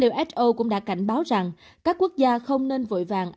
who cũng đã cảnh báo rằng các quốc gia không nên vội vàng